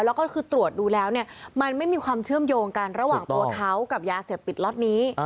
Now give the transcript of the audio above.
แล้วก็คือตรวจดูแล้วเนี่ยมันไม่มีความเชื่อมโยงกันระหว่างตัวเขากับยาเสพติดล็อตนี้